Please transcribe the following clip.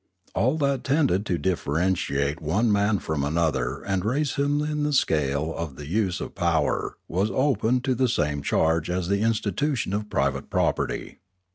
All that tended to differentiate one man from another and raise him in the scale of the use of power was open to the same charge as the institution of private property.